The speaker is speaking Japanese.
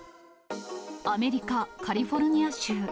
アメリカ・カリフォルニア州。